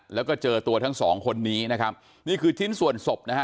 แล้วก็เจอตัวทั้งสองคนนี้นะครับนี่คือชิ้นส่วนศพนะฮะ